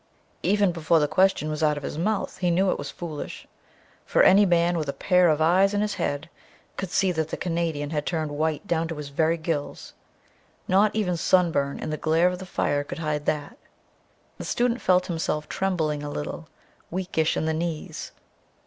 Even before the question was out of his mouth he knew it was foolish, for any man with a pair of eyes in his head could see that the Canadian had turned white down to his very gills. Not even sunburn and the glare of the fire could hide that. The student felt himself trembling a little, weakish in the knees.